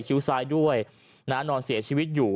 คิ้วซ้ายด้วยนะนอนเสียชีวิตอยู่